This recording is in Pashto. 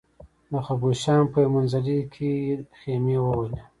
د خبوشان په یو منزلي کې خېمې ووهلې.